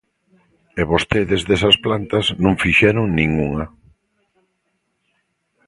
E vostedes desas plantas non fixeron nin unha.